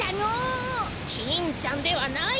キンちゃんではない。